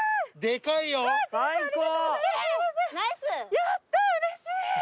やったうれしい。